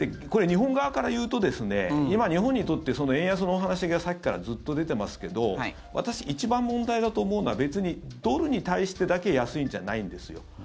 これ、日本側からいうと今、日本にとって円安のお話がさっきからずっと出てますけど私、一番問題だと思うのは別にドルに対してだけ安いんじゃないんですよ。